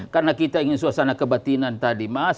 karena kita ingin suasana kebatinan tadi masuk